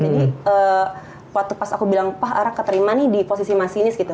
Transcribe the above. jadi pas aku bilang pak arak keterima nih di posisi masinis gitu